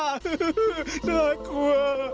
ฮึฮึฮน่ากลัว